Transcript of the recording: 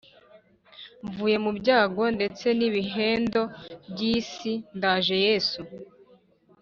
Mvuye mu byago ndetse n’ibihendo by’isi ndaje yesu